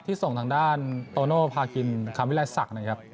ส่งทางด้านโตโน่พากินคำวิลัยศักดิ์นะครับ